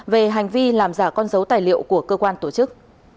về hành vi làm giả con dấu tài liệu của cơ quan tổ chức